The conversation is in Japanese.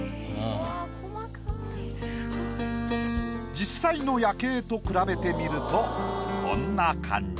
実際の夜景と比べてみるとこんな感じ。